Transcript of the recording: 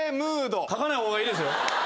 書かない方がいいですよ。